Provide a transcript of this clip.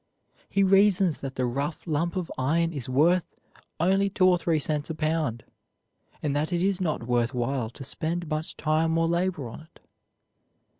He reasons that the rough lump of iron is worth only two or three cents a pound, and that it is not worth while to spend much time or labor on it.